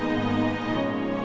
aku mau makan